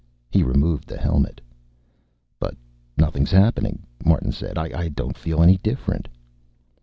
He removed the helmet. "But nothing's happening," Martin said. "I don't feel any different."